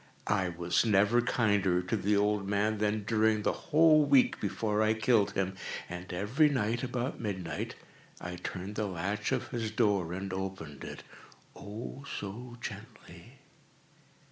I was never kinder to the old man than during the whole week before I killed him. And every night, about midnight, I turned the latch of his door and opened it—oh, so gently!